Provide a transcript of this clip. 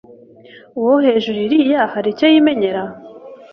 Uwo hejuru iriya hari icyo yimenyera?»